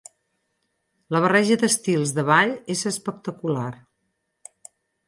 La barreja d'estils de ball és espectacular.